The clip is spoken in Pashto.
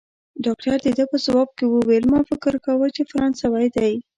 ډاکټر د ده په ځواب کې وویل: ما فکر کاوه، چي فرانسوی دی.